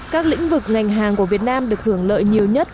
các lĩnh vực ngành hàng của việt nam được hưởng lợi nhiều nhất